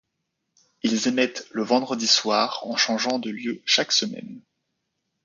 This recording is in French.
Ils émettent le vendredi soir, en changeant de lieu chaque semaine.